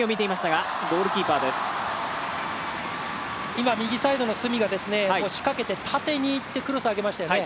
今、右サイドの角が押しかけて縦に行って、クロス上げましたよね